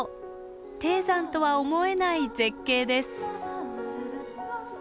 低山とは思えない絶景です。